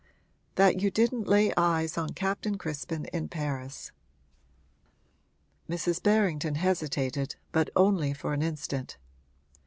'That you didn't lay eyes on Captain Crispin in Paris.' Mrs. Berrington hesitated, but only for an instant.